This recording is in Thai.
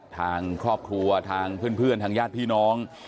ทางครอบครัวทางเพื่อนทางญาติพี่น้อง